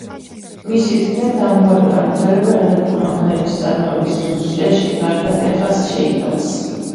მისი თქმით, ამგვარი განვითარება ელექტრო მანქანების წარმოების ინდუსტრიაში გარდატეხას შეიტანს.